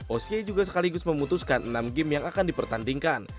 oce juga sekaligus memutuskan enam game yang akan dipertandingkan